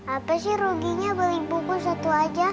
apa sih ruginya beli bubun satu aja